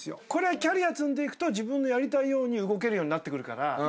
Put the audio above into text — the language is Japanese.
キャリア積んでいくと自分のやりたいように動けるようになってくるから。